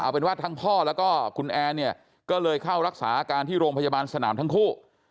เป็นว่าทั้งพ่อแล้วก็คุณแอร์เนี่ยก็เลยเข้ารักษาอาการที่โรงพยาบาลสนามทั้งคู่